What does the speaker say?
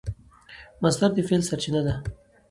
مصدر د فعل سرچینه ده.